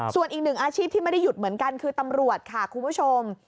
ส่วนอีกหนึ่งอาชีพที่ไม่ได้หยุดเหมือนกันคือตำรวจค่ะคุณผู้ชม